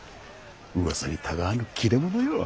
うわさにたがわぬ切れ者よ。